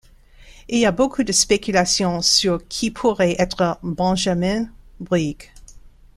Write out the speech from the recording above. Il y a beaucoup de spéculations sur qui pourrait être Benjamin Breeg.